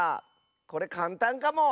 これかんたんかも。